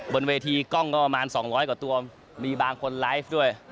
บนเวทีกล้องก็ประมาณ๒๐๐กว่าตัวมีบางคนไลฟ์ด้วย